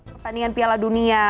pertandingan piala dunia